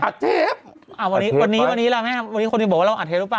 อัดเทปอ่าวันนี้แม่คุณที่บอกว่าเราอัดเทปหรือเปล่า